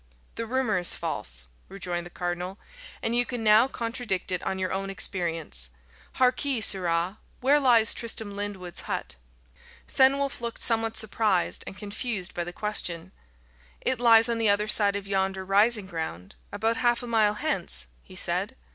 "The rumour is false," rejoined the cardinal, "and you can now contradict it on your own experience. Harkee, sirrah! where lies Tristram Lyndwood's hut?" Fenwolf looked somewhat surprised and confused by the question. "It lies on the other side of yonder rising ground, about half a mile hence," he said.